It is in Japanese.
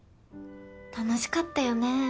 楽しかったよね。